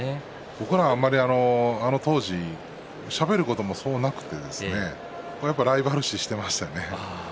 僕らは、あの当時しゃべることもそうなくてやっぱりライバル視していましたね。